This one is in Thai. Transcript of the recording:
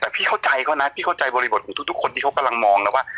แต่พี่เข้าใจเขานะพี่เข้าใจบริบทของทุกคนที่เขากำลังมองนะว่า